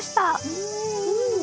うん。